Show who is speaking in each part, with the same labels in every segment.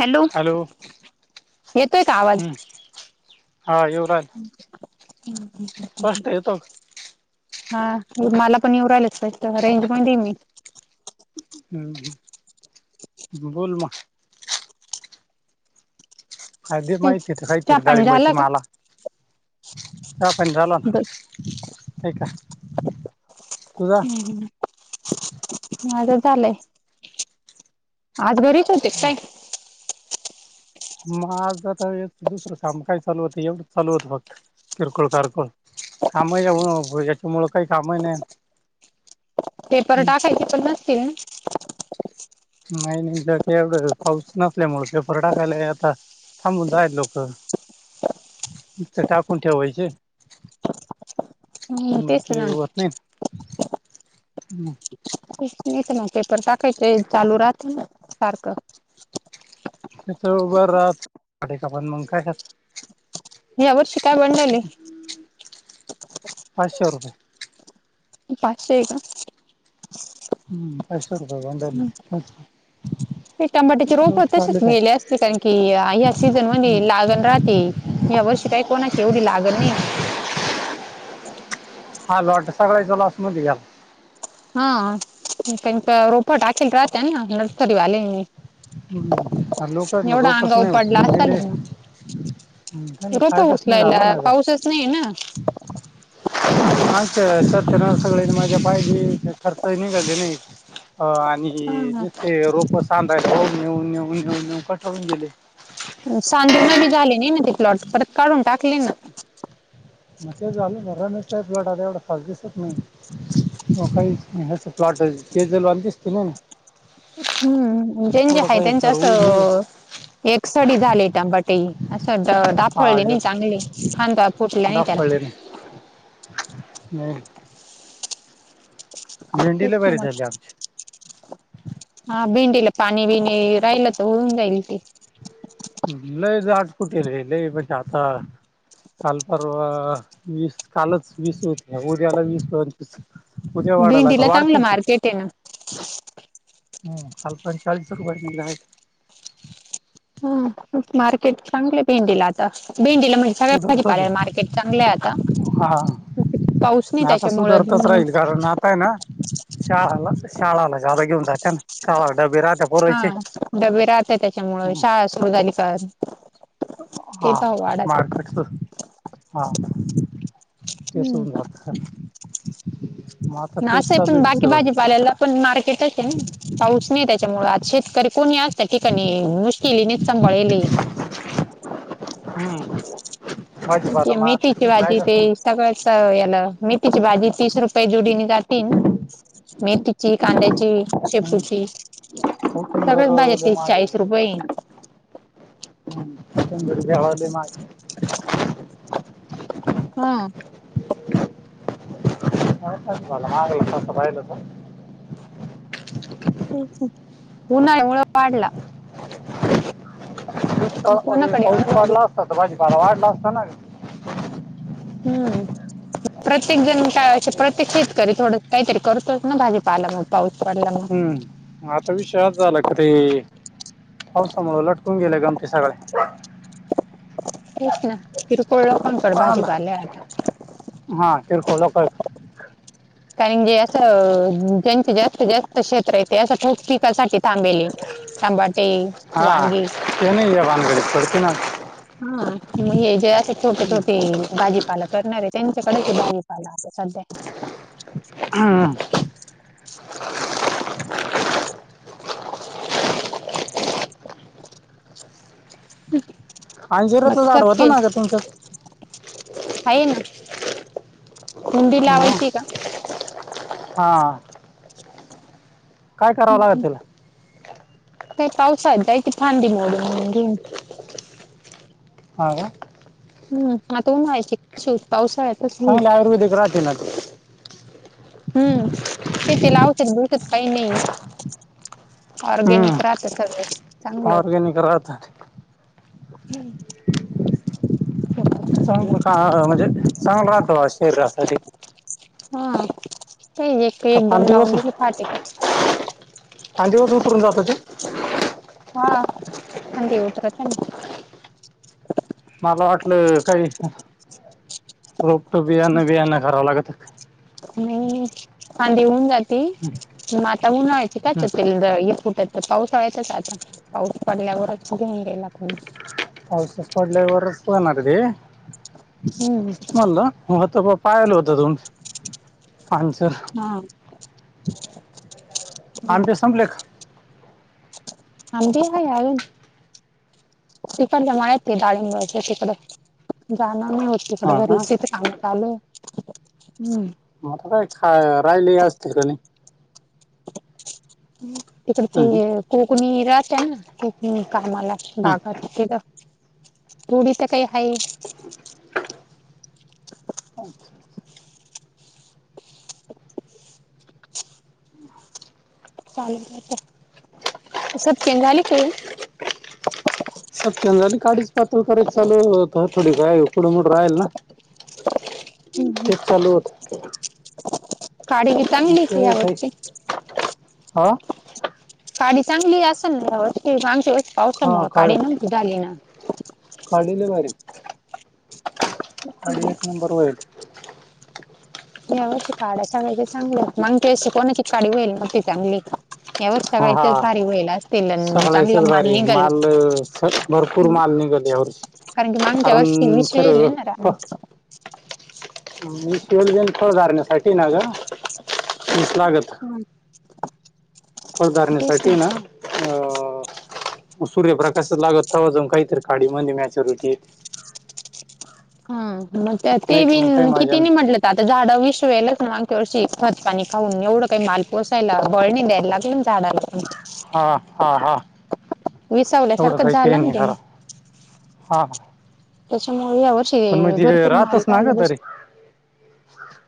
Speaker 1: Hello येतोय का आवाज
Speaker 2: हम्म हा
Speaker 1: हं
Speaker 2: येऊ राहिल
Speaker 1: हं हम्म हम्म
Speaker 2: स्पष्ट येतो
Speaker 1: हा मला पण येऊ राहियलाच पाहिजत रेंज मध्ये हय मी
Speaker 2: हम्म बोल म अधिक माहिती तर हाय तर
Speaker 1: चहा पाणी
Speaker 2: डाळिंबाची
Speaker 1: झालं का
Speaker 2: मला च पण झाल ना ठीक आहे
Speaker 1: हम्म हम् माझ चालंय. आज बरी ते काय [unintelligible]
Speaker 2: मग आज आता हेच दुसरं काम काय चालू होतं एवढंच चालू होतं फक्त किरकोळ कारकोळ कामही याच्यामुळ काही कामही नाही
Speaker 1: पेपर टाकायचे पण नसतील ना
Speaker 2: नाही नाही काही एवढं पाऊस नसल्यामुळे पेपर टाकायला आता थांबून जायल लोकं तर टाकून ठेवायचे
Speaker 1: ना
Speaker 2: हम्म
Speaker 1: तेच
Speaker 2: ते
Speaker 1: ना
Speaker 2: होत नाही हम्
Speaker 1: नाहीच ना पेपर टाकायचे चालू राहतील ना सारखं
Speaker 2: साडी चं क पण मग काय घात
Speaker 1: यावर शिकाय मंडली
Speaker 2: पाचशे रुपये
Speaker 1: पाचशे का
Speaker 2: हम्म पाचशे रुपय बधाले
Speaker 1: ते टमाट्याचे रोप तसेच गेले असते कारण की ह्या सीझन म्हण लागण राहते या वर्षी काय कोणाचे एवढी लागत नाही
Speaker 2: हा लॉट सगळ च लॉस मध्ये गेला
Speaker 1: हा त्यांच्या रोप टाकेल राहत ना नर्सरी वाल्यानी
Speaker 2: हम्म लोकच ना रोपच
Speaker 1: पडला
Speaker 2: नाहीत
Speaker 1: असाल
Speaker 2: दे
Speaker 1: ना
Speaker 2: ् त्याला
Speaker 1: रोप
Speaker 2: फायदाच नाही झाला
Speaker 1: उचलायला
Speaker 2: ना का
Speaker 1: पाऊसच नाही ना
Speaker 2: माछ सतरा सविन माझी पाहिजे खर्च निघाले नाही च कि आणि रोप सांध
Speaker 1: सांधण बी झाले नाही ते प्लॉट परत काढून टाकले ना
Speaker 2: मग ते झालं म नाहीच प्लट आला एवढा फास्ट दिसत नाही म काही हसं फ्लाॉट तेजल वाणी दिसत न ना
Speaker 1: हम्म जे जे
Speaker 2: थोडं
Speaker 1: आहे
Speaker 2: पाहिजे
Speaker 1: त्यांच
Speaker 2: तर ऊन ये
Speaker 1: असं एक सडी झाली टबटेई
Speaker 2: हा
Speaker 1: दाफळली नाही
Speaker 2: एक
Speaker 1: चांगली खांदा फुटले नाही
Speaker 2: डाग
Speaker 1: त्याला
Speaker 2: पडले नाही
Speaker 1: एक
Speaker 2: भेंडीला बरी
Speaker 1: चम
Speaker 2: झाली आमची
Speaker 1: च हा भिंडीला पाणी बिणी राहिल तर होऊन जाईल ते
Speaker 2: लई द आठ कुठेले लई म्हणज आता काल परवा वीस कालच वीस होते उद्याला वीस पयतीस उद्या वाढाला
Speaker 1: भेंडीला चांगलं
Speaker 2: वाढतीची
Speaker 1: मार्केट आहे ना
Speaker 2: हम काल पण चाळीस रुपये निघला आहे
Speaker 1: ह मार्केट चांगले भेंडी ला आता च्या
Speaker 2: सुधारतच आहे हा नाही आता सुधारतच
Speaker 1: त्याच्यामुळं
Speaker 2: राहील कारण आताय ना शाळाला शाळाला जादा घेऊन जात्या ना शाळाला डबे राहते
Speaker 1: हा
Speaker 2: पुरयचे
Speaker 1: डबे राहते त्याच्यामुळे शाळा अस सुरु झाली ते
Speaker 2: हा
Speaker 1: भाव वाढाचे.
Speaker 2: मार्केट स्वस्त हा ते सुडून झा
Speaker 1: ना असं आहे पण बाकी भाजी पाल्याला पण मार्केटच आहे ना पाऊस नाही त्याच्यामुळे आता शेतकरी कोणी असत ठिकाणी मुश्किलीने सांभाळले
Speaker 2: हम्म भाजीपाला मार्केट
Speaker 1: मेथीची
Speaker 2: मध्ये
Speaker 1: भाजी ते
Speaker 2: राहिलाच नाही
Speaker 1: सगळ याला मेथीची भाजी तीस रुपय ई जोडीने जाती ना मेथीची कांद्याची
Speaker 2: हम्म
Speaker 1: शेपूची
Speaker 2: कोथिंबीर
Speaker 1: सगळच भाजी तीस चाळीस रुपये
Speaker 2: ह मा
Speaker 1: हम्
Speaker 2: ह हा एक समान
Speaker 1: उन्ह आहे उन्ह उन्हाळा वाढला कोणाकडे
Speaker 2: पाऊस
Speaker 1: एवढं भाजी
Speaker 2: पडला असता भाजीपाला वाढला असता ना
Speaker 1: हम्म प्रत्येक जण काय
Speaker 2: हे-
Speaker 1: प्रत्येक शेतकरी थोड काहीतरी करतोच ना भाजी पाला मग पाऊस पडला मग
Speaker 2: हम्म आता विश्वाात झाला का ते पाऊसामुळ लटकून गेले गमती सगळे
Speaker 1: वीस न किरकोळ कोण कर भाजी
Speaker 2: कोणाला?
Speaker 1: पाल्या आता
Speaker 2: फ
Speaker 1: कारण जे असं ज्यांचे जास्तीत जास्त क्षेत्र आहे ते असं ठोक पिकासाठी थांबेले य टमाटे
Speaker 2: हा
Speaker 1: वांगी
Speaker 2: ते नाही या
Speaker 1: अशी
Speaker 2: भानगडीत पडते ना
Speaker 1: मग हे जे असे छोटे छोटे भाजी पाल करणार आहे त्यांच्याकडे हे भा जीपाला अस सध्या क.
Speaker 2: अंजेरा तर झाढवत ना का तुमचं?
Speaker 1: हाय ना मुुंडी लावायची का?
Speaker 2: हा. काय करावं लागत तला?
Speaker 1: का पावसाात जाय क थांडी मोडून घेऊ.
Speaker 2: हा का?
Speaker 1: हम्म. आता उन्हाळ्याची शिक पावसा आहे.
Speaker 2: चांगले आयुर्वेदिक राहतील ना ते?
Speaker 1: हम्म ते त्याला औषध ब्युशध काही नाहीय. ऑर्गेनिक राहत सगळं.
Speaker 2: ऑरगॅनिक राहात.
Speaker 1: हम्म.
Speaker 2: ांग का म्हणजे चांगल राह तो शरीरासाठी.
Speaker 1: हा ते एक
Speaker 2: का
Speaker 1: एक दोन लावून
Speaker 2: फांदीवरच
Speaker 1: दिले फटे.
Speaker 2: सांजवस उतरून जाते?
Speaker 1: हा फांदी उतरत ना.
Speaker 2: मला वाटलं काही रोप तो बिया नाही बियाना करावं लागत काय.
Speaker 1: नाही फांदी होऊन जात. मा ता उनाळ्याच काय
Speaker 2: हं.
Speaker 1: च तेल ये फुटत. तर पाऊस आल्यावर आता पाऊस पडल्यावरच घेऊन गेईला आपण
Speaker 2: णार ते
Speaker 1: हम्म
Speaker 2: तेच मलं म पायाला होत त आनसर.
Speaker 1: हा
Speaker 2: आंबे संपले का?
Speaker 1: आंबे हाय अजून. तिकडच्या मळ्यात ये डाळिंबाच्या तिकडं झाड होती तिकड
Speaker 2: हा
Speaker 1: घरी
Speaker 2: का
Speaker 1: तर चांलं चालू हम्म.
Speaker 2: मा ग आता काय खा रायले असते का नई?
Speaker 1: तिकड ते
Speaker 2: हं,
Speaker 1: कोकणी राहत्या ना? क कामाला
Speaker 2: हं.
Speaker 1: बागाच्या तिधं पुडी ट काही हाय.
Speaker 2: अच्छा अच्छा.
Speaker 1: चालू अस केन झाले तुझ?
Speaker 2: सत्यन झाली काडीच पात्र करा चालूता थोडी काय उकडमड राहील ना?
Speaker 1: खेळी
Speaker 2: ते चालू होतं.
Speaker 1: काळी घीता चंगलीस यावरर्षी.
Speaker 2: हा
Speaker 1: पाडी चांगली असेल ना? मागच्या वर्षी
Speaker 2: का
Speaker 1: पावसामुळे
Speaker 2: काढ
Speaker 1: काढी नव्हती झाली ना?
Speaker 2: काढलेले अडी एक नंबर वयल.
Speaker 1: यावची काडा सांगायचे चांगलं मग त अशी कोणाची काडी होईल नती चांगली. यावर्षी
Speaker 2: हा
Speaker 1: सगळ्याच्याच भारी होईल असतील चांगला
Speaker 2: सगळयचच भारी
Speaker 1: निघल
Speaker 2: माल भरपूर माल निघत. यावर्षी.
Speaker 1: कारण की मागच्या वर्षी
Speaker 2: कारण
Speaker 1: विष येल
Speaker 2: खरं
Speaker 1: ना रा
Speaker 2: मी केवल बन थोड जाारण्यासाठी ना ग मीस लागत. फळधारणीसाठी ना अ सूर्यप्रकाशात लागत. तवा जाऊन काहीतरी काडी म्ह मॅचरुटी येत.
Speaker 1: हा मग त्या ते बि
Speaker 2: काही माझ्या
Speaker 1: किती
Speaker 2: नाही
Speaker 1: म्हटल तर आता झाड विष वेलच मग मागच्या वर्षी खतपाणी खाऊन एवढं काही माल पोसायला बळणी द्याय लागल ना झाडाला प [unintelligible]
Speaker 2: हा हा हा एवढं
Speaker 1: विसावल्यासारखंच
Speaker 2: काही ते
Speaker 1: झालं ना
Speaker 2: नाही खरा हं
Speaker 1: [unintelligible]
Speaker 2: पण मग तीत
Speaker 1: भरपूर माल
Speaker 2: राहतस ना
Speaker 1: राहिला
Speaker 2: ग
Speaker 1: बस
Speaker 2: तरी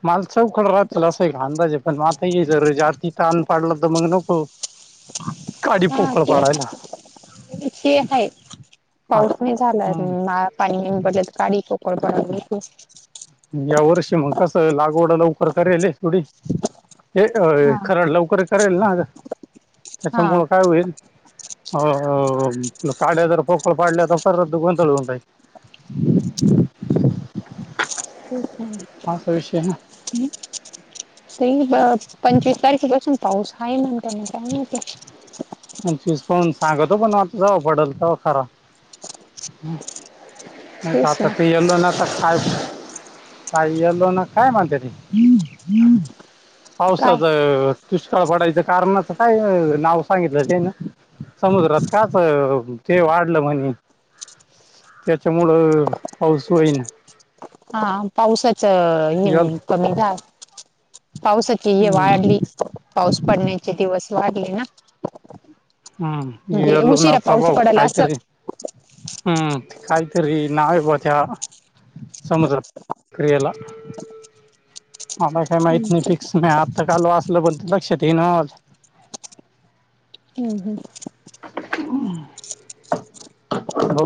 Speaker 2: मल चौकड राहतीलल असं का अंदाजे पण मताा ये जर जाती तान पाडलं तर मग नको [unintelligible]
Speaker 1: हा
Speaker 2: पोकळ पाडायला
Speaker 1: [unintelligible] ते आहे
Speaker 2: आत
Speaker 1: पाऊस नाही झाला
Speaker 2: हम्म
Speaker 1: न पाणी पडलं तर काडी पकड बनलं [unintelligible]
Speaker 2: या वर्षी मग कसं लागवडाला उकरकारयले एढ हे अ
Speaker 1: हा
Speaker 2: खर लवकर करेल ना अच्छा
Speaker 1: हा
Speaker 2: मुळ काय होईल [unintelligible] [inaudible]
Speaker 1: [unintelligible]
Speaker 2: असा विषय आहे ना
Speaker 1: ते पंचवीस तारखे पासून [unintelligible] पाऊस आहे म्हण त्यांन टाइम [unintelligible]
Speaker 2: आणि चूज पून सांगतो पण आता जाव पडल का खरा [unintelligible] म्म नाय
Speaker 1: तेच
Speaker 2: आता
Speaker 1: ना
Speaker 2: पिलो ना तर खाय [unintelligible] पाय आलो ना काय म्हणत्यात [unintelligible]
Speaker 1: काय
Speaker 2: पावसाचा दुष्काळ पडायचं कारणच काय नाव सांगित ते ना समुद्रात काच ते वाढलं म्हणे त्याच्यामुळं पाऊसई व्हईना.
Speaker 1: हा पावसाच हे कमी झा पावसाची हे
Speaker 2: हम्म
Speaker 1: वाढली पाऊस पडण्याचे दिवस वाढले ना
Speaker 2: हम्म
Speaker 1: म्हणजे
Speaker 2: इवेल
Speaker 1: उशिरा
Speaker 2: नाव
Speaker 1: पाऊस
Speaker 2: प्रभाव
Speaker 1: पडल असं
Speaker 2: खायतरी हम्म काहीतरी नाव आहे बा त्या समुद्रत क्रियेला मला काही माहत नाही फिक्स नाही आता काल वा असलं पण लक्षात [unintelligible]
Speaker 1: हम्म हम्म
Speaker 2: [unintelligible] हो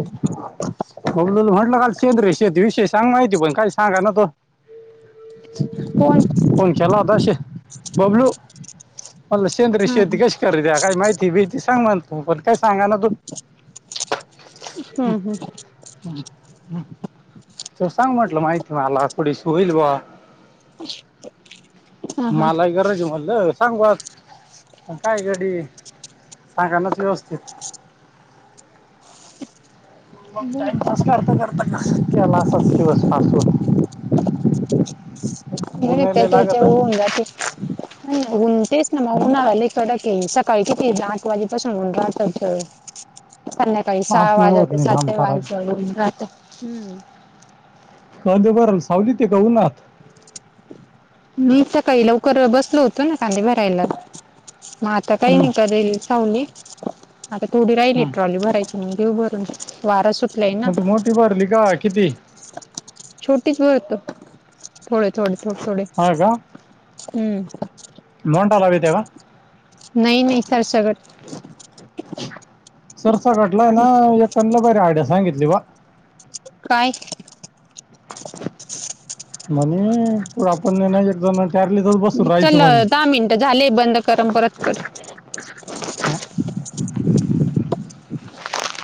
Speaker 2: म्हंटलं का सेंद्रय शेती विषय सांग माहिती पण काही सांगा ना तो
Speaker 1: कोण
Speaker 2: फोन केला होता शे बबलू मणला सेंद्री
Speaker 1: हा
Speaker 2: शेती
Speaker 1: हा
Speaker 2: कशी कर द्या काय माहिती भीती सांग म्हण तू पण काय सांगा ना तू
Speaker 1: हम्म हम्म
Speaker 2: [unintelligible] त सांग म्हटलं माहिती मला थोडीशी होईल ब्वा
Speaker 1: हा हा
Speaker 2: मलाही गरज म्हटलं सांगू काय गडी सांगानाच व्यवस्थित
Speaker 1: [unintelligible]
Speaker 2: मग टाइमपास करता करता कस केला असच दिवसपास हो
Speaker 1: [unintelligible] कडक ये काळ किती आठ वाजेपासूनून राहत्यात संद्याकाळी
Speaker 2: पास
Speaker 1: सहा
Speaker 2: नाही होत
Speaker 1: वाजते
Speaker 2: नाही
Speaker 1: सात
Speaker 2: घाम फार
Speaker 1: पण [unintelligible]
Speaker 2: कधी बर सावलीत आहे कि उन्हात
Speaker 1: मी सकाळी लवकर बसलो होतो ना कांदे भरायला म आता काही
Speaker 2: हम्म,
Speaker 1: नि का राहिली सावली. आता थोडी राहिली
Speaker 2: हम्म.
Speaker 1: ट्रॉली भरायची मग देऊ भरून वारा सु ना
Speaker 2: मग ती मोठी भरली का किती
Speaker 1: छोटीच भत. थोडे थोडे थोडे थोडे.
Speaker 2: हा का
Speaker 1: हम्म
Speaker 2: नॉट अलाऊड येते का?
Speaker 1: नाही नाही सर सगट
Speaker 2: सरसा कटलाय ना एककनला बर्या आड्या सांगितली बा
Speaker 1: काय
Speaker 2: मण प आपण नाही एकदाण
Speaker 1: चल दहा मिनटं झाले बंद कर परत कर. [unintelligible]